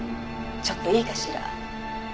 ちょっといいかしら？